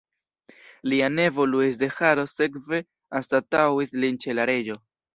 Lia nevo Luis de Haro sekve anstataŭis lin ĉe la reĝo.